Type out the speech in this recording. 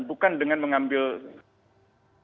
bukan dengan mengambil serse